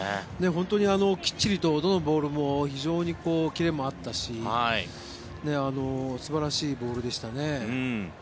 本当にきっちりとどのボールも非常にキレもあったし素晴らしいボールでしたね。